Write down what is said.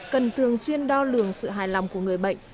cần thường xuyên đo lường sự hài lòng của người bệnh